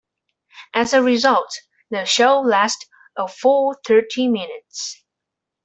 As a result, the show lasted a full thirty minutes.